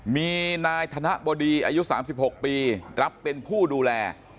มีนายธนบดีอายุ๓๖ปีรับเป็นผู้ดูแล